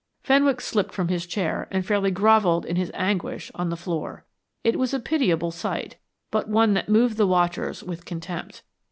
Fenwick slipped from his chair and fairly grovelled in his anguish on the floor. It was a pitiable sight, but one that moved the watchers with contempt.